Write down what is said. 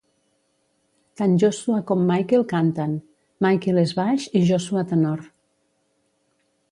Tant Joshua com Michael canten: Michael és baix i Joshua tenor.